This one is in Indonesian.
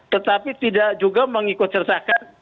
tetapi tidak juga mengikut sertakan